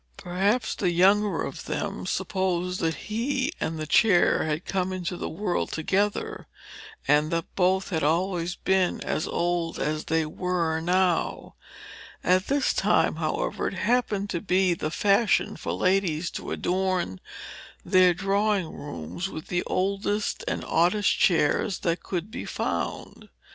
Perhaps the younger of them supposed that he and the chair had come into the world together, and that both had always been as old as they were now. At this time, however, it happened to be the fashion for ladies to adorn their drawing rooms with the oldest and oddest chairs that could be found.